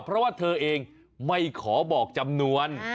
เพราะว่าเธอเองไม่ขอบอกจำนวน